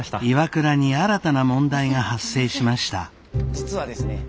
実はですね